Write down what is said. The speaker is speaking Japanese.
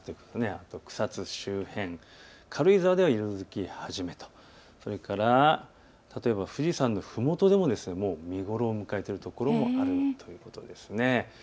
あとは草津周辺、軽井沢では色づき始め、それから富士山のふもとでも見頃を迎えているところもあるということです。